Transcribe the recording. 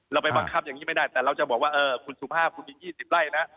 เราไปบังคับอย่างนี้ไม่ได้แต่เราจะบอกว่าคุณสุภาพคุณมี๒๐ไร่นะ